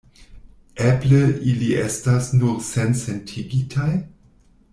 Eble ili estas nur sensentigitaj?